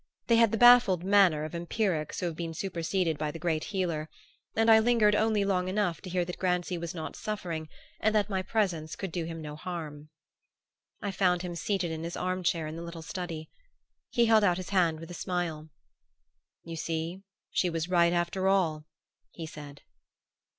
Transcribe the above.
They had the baffled manner of empirics who have been superseded by the great Healer; and I lingered only long enough to hear that Grancy was not suffering and that my presence could do him no harm. I found him seated in his arm chair in the little study. He held out his hand with a smile. "You see she was right after all," he said.